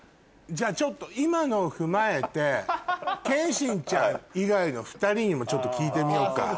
じゃちょっと今のを踏まえて謙心ちゃん以外の２人にもちょっと聞いてみようか。